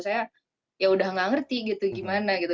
saya ya udah gak ngerti gitu gimana gitu